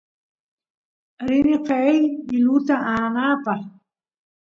rini qeey iluta aanapaq